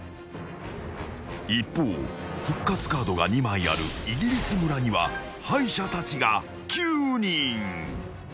［一方復活カードが２枚あるイギリス村には敗者たちが９人］